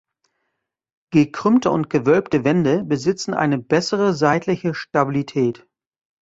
Gekrümmte und gewölbte Wände besitzen eine bessere seitliche Stabilität.